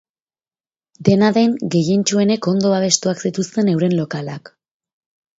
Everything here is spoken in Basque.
Dena den, gehientsuenek ondo babestuak zituzten euren lokalak.